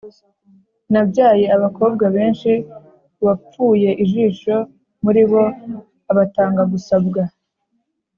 Nabyaye abakobwa benshi uwapfuye ijisho muri bo abatanga gusabwa